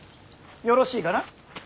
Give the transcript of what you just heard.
よろしいかな。